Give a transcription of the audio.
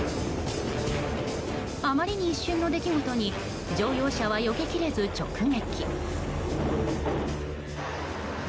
あまりに一瞬の出来事に乗用車はよけきれず直撃。